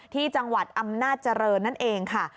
ที่จังหวัดอำนาจเจริญนั่นเองค่ะ